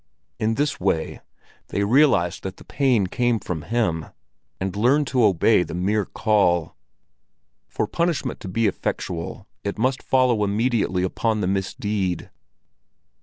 In this way they realized that the pain came from him, and learned to obey the mere call. For punishment to be effectual, it must follow immediately upon the misdeed.